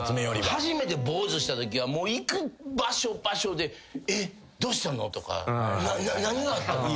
初めて坊主したときはもう行く場所場所で「えっどうしたの？」とか「何があったの？」とか。